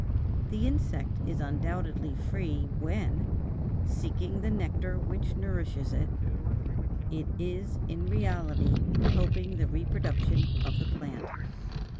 The insect is undoubtedly free when, seeking the nectar which nourishes it, it is in reality helping the reproduction of the plant.